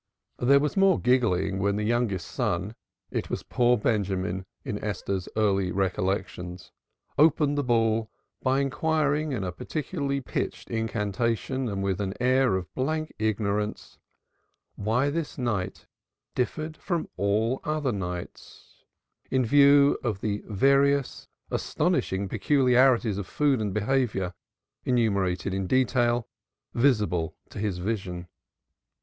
There was more giggling when the youngest talking son it was poor Benjamin in Esther's earliest recollections opened the ball by inquiring in a peculiarly pitched incantation and with an air of blank ignorance why this night differed from all other nights in view of the various astonishing peculiarities of food and behavior (enumerated in detail) visible to his vision.